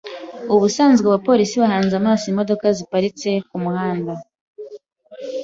Ubusanzwe abapolisi bahanze amaso imodoka ziparitse kumuhanda.